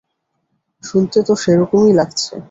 শুনতে তো সেরকমই লাগছে!